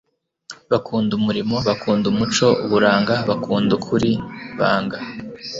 bakunda umurimo, bakunda umuco ubaranga, bakunda ukuri. banga